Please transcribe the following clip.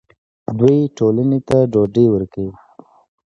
دوی ټولنې ته ډوډۍ ورکوي.